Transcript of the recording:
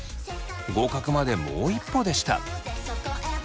合格までもう一歩でした。